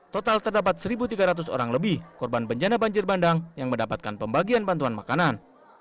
total terdapat satu tiga ratus orang lebih korban bencana banjir bandang yang mendapatkan pembagian bantuan makanan